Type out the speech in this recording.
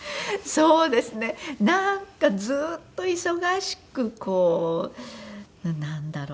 そうですねなんかずっと忙しくこうなんだろう。